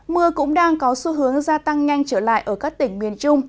mưa cũng đang có xu hướng gia tăng nhanh trở lại ở các tỉnh miền trung